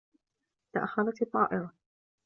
تأخّرت الطّائرة.